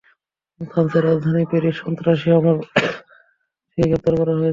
ফ্রান্সের রাজধানী প্যারিসে সন্ত্রাসী হামলার পরিকল্পনার দায়ে চার ব্যক্তিকে গ্রেপ্তার করা হয়েছে।